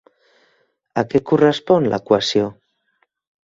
A què correspon l'equació?